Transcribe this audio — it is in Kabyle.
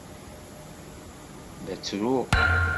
La ttruɣ.